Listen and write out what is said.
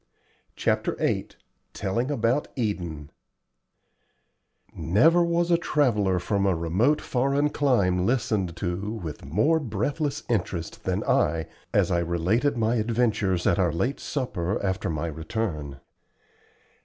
CHAPTER VIII TELLING ABOUT EDEN Never was a traveller from a remote foreign clime listened to with more breathless interest than I as I related my adventures at our late supper after my return.